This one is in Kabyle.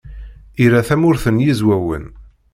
Ira Tamurt n Yizwawen.